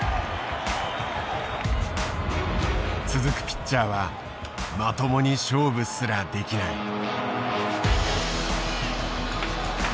続くピッチャーはまともに勝負すらできない。